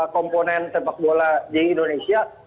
komponen sepak bola di indonesia